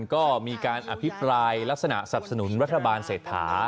ก็มีการอภิปรายลักษณะสับสนุนรัฐบาลเศรษฐา